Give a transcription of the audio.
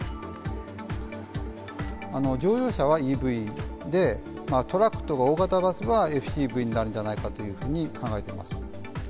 乗用車はＥＶで、トラックとか、大型バスはＦＣＶになるんじゃないかというふうに考えてます。